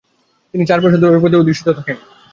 তিনি চার বছর ধরে ঐ পদে অধিষ্ঠিত থাকেন।